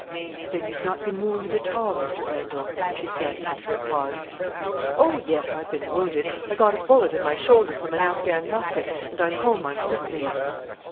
"Then you've not been wounded at all, Mr. Arundel?" she said, after a pause. "Oh, yes, I've been wounded; I got a bullet in my shoulder from an Affghan musket, and I'm home on sick leave."